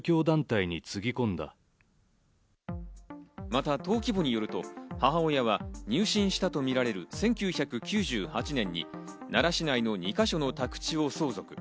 また登記簿によると母親は入信したとみられる１９９８年に奈良市内の２か所の宅地を相続。